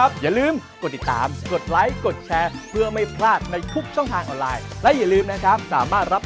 สวัสดีครับ